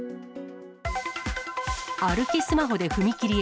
歩きスマホで踏切へ。